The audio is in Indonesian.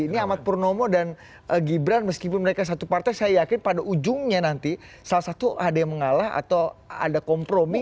ini ahmad purnomo dan gibran meskipun mereka satu partai saya yakin pada ujungnya nanti salah satu ada yang mengalah atau ada kompromi